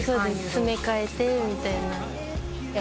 詰め替えてみたいな。